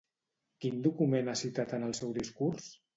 Quin document ha citat en el seu discurs?